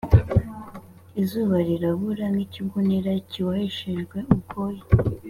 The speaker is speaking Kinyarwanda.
izuba ririrabura nk’ikigunira kiboheshejwe ubwoya,